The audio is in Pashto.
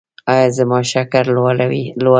ایا زما شکر لوړ دی؟